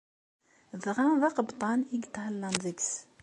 Dɣa d aqebṭan ay yethellan deg-s.